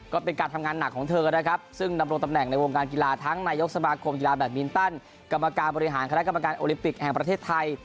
ก็เป็นการทำงานหนักของเธอนะครับซึ่งดำรงตำแหน่งในวงการกีฬาทั้งนายกสมาคมกีฬาแบตมินตันกรรมการบริหารคณะกรรมการโอลิมปิกแห่งประเทศไทย